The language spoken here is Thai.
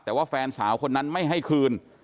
แต่ว่าแฟนสาวคนนั้นไม่ให้คืน